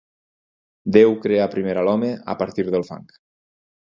Déu crea primer a l'home a partir del fang.